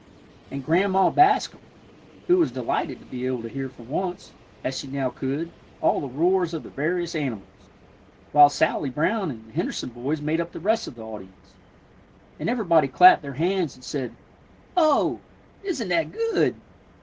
And Grandma Bascom, who was delighted to be able to hear for once, as she now could, all the roars of the various animals, while Sally Brown and the Henderson boys made up the rest of the audience. And everybody clapped their hands, and said, "Oh, isn't that good!"